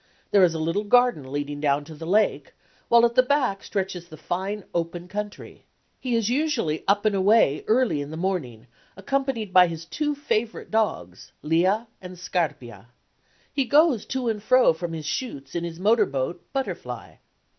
There is a little garden leading down to the lake, while at the back stretches the fine open country. He is usually up and away early in the morning, accompanied by his two favourite dogs, "Lea" and "Scarpia." He goes to and fro from his shoots in his motor boat "Butterfly."